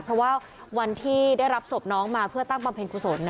เพราะว่าวันที่ได้รับศพน้องมาเพื่อตั้งบำเพ็ญกุศล